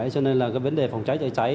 cho nên vấn đề phòng cháy chữa cháy